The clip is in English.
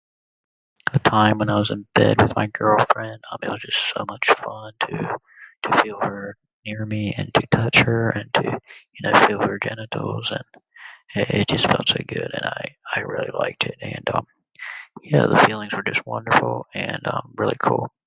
A time when I was in bed with my girlfriend. I mean it was just so much fun to... to feel her near me and to touch her and to, you know, feel her genitals. And it it just felt so good and I I really liked it and, um, you know, the feelings were just wonderful and, um, really cool.